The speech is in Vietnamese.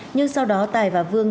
nhưng sau đó tài và vương